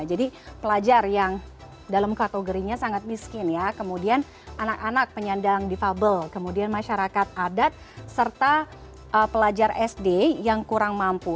jadi pelajar yang dalam kategorinya sangat miskin ya kemudian anak anak penyandang difabel kemudian masyarakat adat serta pelajar sd yang kurang mampu